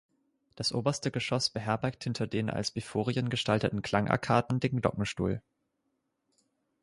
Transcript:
Das oberste Geschoss beherbergt hinter den als Biforien gestalteten Klangarkaden den Glockenstuhl.